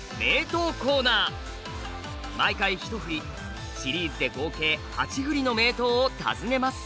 毎回１振りシリーズで合計８振りの名刀を訪ねます。